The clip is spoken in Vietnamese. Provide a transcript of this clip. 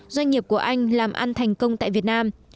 doanh nghiệp của anh làm ăn thành công tại việt nam